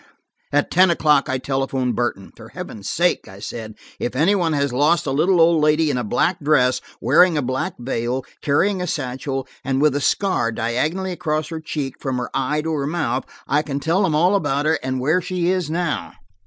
At ten o'clock I telephoned Burton: "For Heaven's sake," I said, "if anybody has lost a little old lady in a black dress, wearing a black veil, carrying a satchel, and with a scar diagonally across her cheek from her eye to her mouth, I can tell them all about her, and where she is now."